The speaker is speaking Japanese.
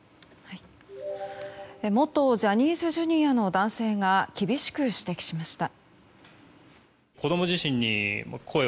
元ジャニーズＪｒ．の男性が厳しく指摘しました。